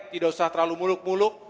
tidak usah terlalu muluk muluk